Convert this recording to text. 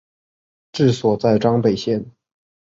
治所在张北县。